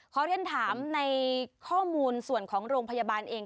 เรียนถามในข้อมูลส่วนของโรงพยาบาลเอง